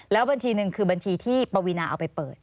บัญชีหนึ่งคือบัญชีที่ปวีนาเอาไปเปิด